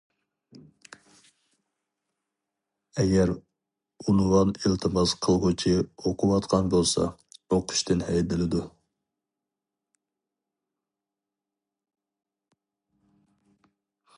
ئەگەر ئۇنۋان ئىلتىماس قىلغۇچى ئوقۇۋاتقان بولسا، ئوقۇشتىن ھەيدىلىدۇ.